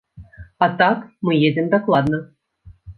А так, мы едзем дакладна.